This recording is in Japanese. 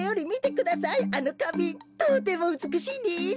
とてもうつくしいです。